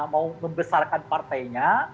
mau membesarkan partainya